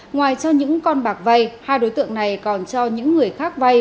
ngoài cho những con bạc vai hai đối tượng này còn cho những người khác vai